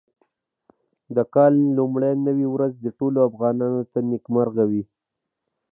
د کال لومړۍ نوې ورځ دې ټولو افغانانو ته نېکمرغه وي.